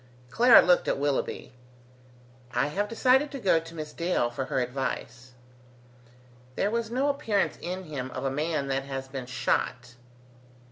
Clara looked at Willoughby. "I have decided to go to Miss Dale for her advice." There was no appearance in him of a man that has been shot.